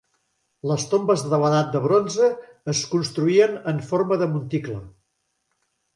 Les tombes de l'edat de bronze es construïen en forma de monticle.